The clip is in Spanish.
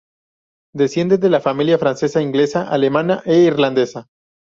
Desciende de familia francesa, inglesa, alemana e irlandesa.